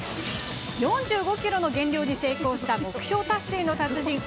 ４５ｋｇの減量に成功した目標達成の達人。